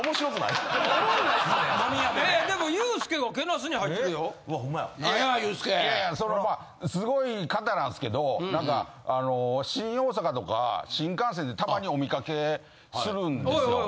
いやいやそらまあすごい方なんですけどなんかあの新大阪とか新幹線でたまにお見かけするんですよ。